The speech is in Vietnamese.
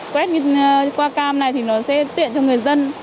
quét qua cam này thì nó sẽ tiện cho người dân